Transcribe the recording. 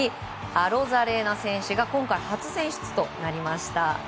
アロザレーナ選手が今回、初選出となりました。